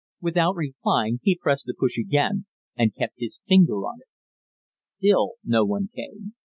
Without replying, he pressed the push again, and kept his finger on it. Still no one came.